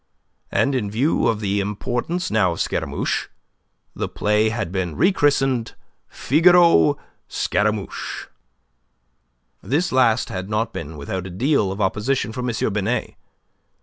And in view of the importance now of Scaramouche, the play had been rechristened "Figaro Scaramouche." This last had not been without a deal of opposition from M. Binet.